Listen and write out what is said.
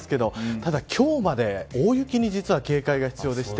ただ今日まで大雪に警戒が必要です。